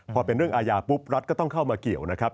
พอเป็นเรื่องอาญาปุ๊บรัฐก็ต้องเข้ามาเกี่ยวนะครับ